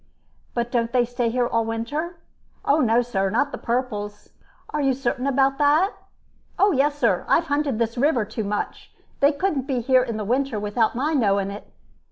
"But don't they stay here all winter?" "No, sir; not the purples." "Are you certain about that?" "Oh yes, sir. I have hunted this river too much. They couldn't be here in the winter without my knowing it."